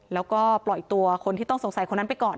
แล้วก็ปล่อยตัวคนที่ต้องสงสัยคนนั้นไปก่อน